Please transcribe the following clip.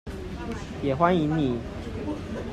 也歡迎你